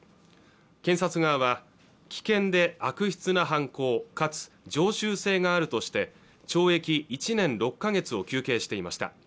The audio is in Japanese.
検察側は危険で悪質な犯行かつ常習性があるとして懲役１年６か月を求刑していました